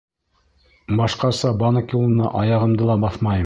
— Башҡаса банк юлына аяғымды ла баҫмайым.